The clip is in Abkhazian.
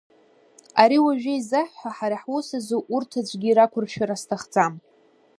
Ари уажәы иззаҳҳәо ҳара ҳус азы урҭ аӡәгьы рақәыршәара сҭахӡам.